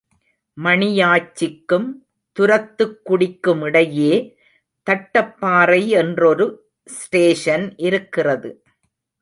மணியாச்சிக்கும், துரத்துக்குடிக்குமிடையே தட்டப் பாறை என்றொரு ஸ்டேஷன் இருக்கிறது.